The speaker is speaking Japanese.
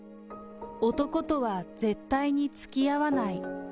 男とは、絶対につきあわない。